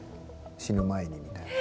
死ぬ前にみたいな。